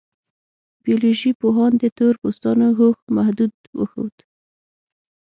بیولوژي پوهانو د تور پوستانو هوښ محدود وښود.